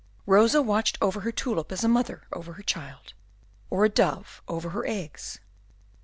Rosa watched over her tulip as a mother over her child, or a dove over her eggs.